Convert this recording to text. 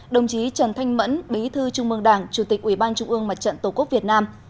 đồng chí trần thanh mẫn bí thư trung mương đảng chủ tịch ủy ban trung ương mặt trận tổ quốc việt nam